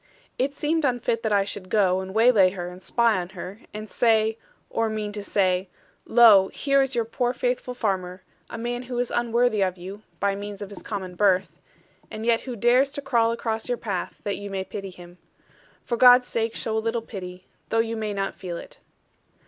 It seemed unfit that I should go, and waylay her, and spy on her, and say (or mean to say), 'Lo, here is your poor faithful farmer, a man who is unworthy of you, by means of his common birth; and yet who dares to crawl across your path, that you may pity him. For God's sake show a little pity, though you may not feel it.'